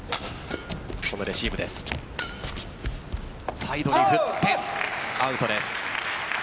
サイドに振ってアウトです。